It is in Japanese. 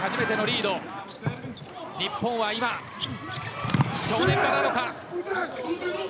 日本は今、正念場なのか。